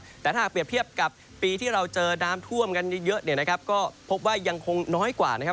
แต่ถ้าหากเปรียบเทียบกับปีที่เราเจอน้ำท่วมกันเยอะเนี่ยนะครับก็พบว่ายังคงน้อยกว่านะครับ